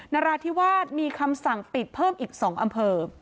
นราธิวาสมีคำสั่งปิดเพิ่มอีก๒อำเภอ